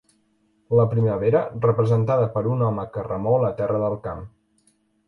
La primavera, representada per un home que remou la terra del camp.